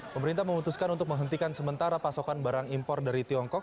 pemerintah memutuskan untuk menghentikan sementara pasokan barang impor dari tiongkok